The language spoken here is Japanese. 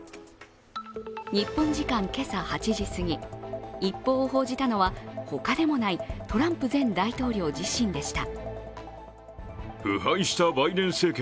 日本時間、けさ８時すぎ、一報を報じたのは、他でもないトランプ前大統領自身でした。